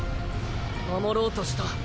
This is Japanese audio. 守ろうとした。